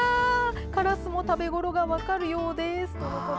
カラスも食べ頃が分かるようですとのこと。